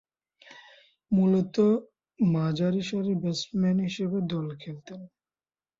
মূলতঃ মাঝারিসারির ব্যাটসম্যান হিসেবে দলে খেলতেন।